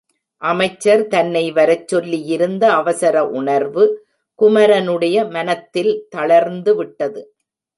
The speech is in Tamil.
அமைச்சர் தன்னை வரச்சொல்லியிருந்த அவசர உணர்வு குமரனுடைய மனத்தில் தளர்ந்துவிட்டது.